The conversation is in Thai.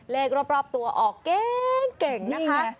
เลขรอบตัวออกเก่งเก่งนะคะ